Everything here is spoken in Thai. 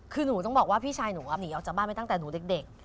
คือหนูต้องบอกว่าพี่ชายหนูหนีออกจากบ้านไปตั้งแต่หนูเด็ก